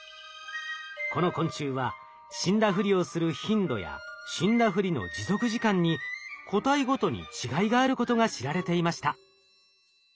この昆虫は死んだふりをする頻度や死んだふりの持続時間に個体ごとに違いがあることが知られていました。